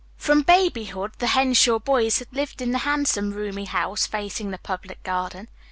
From babyhood the Henshaw boys had lived in the handsome, roomy house, facing the Public Garden.